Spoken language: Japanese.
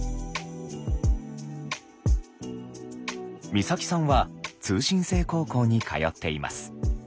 光沙季さんは通信制高校に通っています。